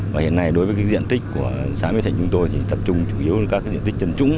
và hiện nay đối với diện tích của xã mỹ thành chúng tôi thì tập trung chủ yếu các diện tích chân trũng